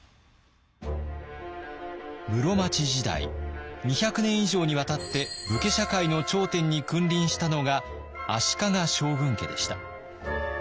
室町時代２００年以上にわたって武家社会の頂点に君臨したのが足利将軍家でした。